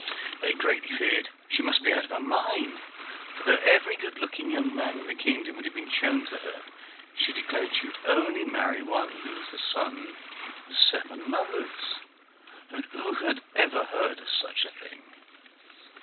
They greatly feared she must be out of her mind, for though every good looking young man in the kingdom had been shown to her, she declared she would only marry one who was the son of seven mothers, and who had ever heard of such a thing?